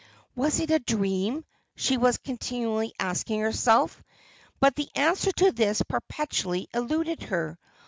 "Was it a dream?" she was continually asking herself; but the answer to this perpetually eluded her.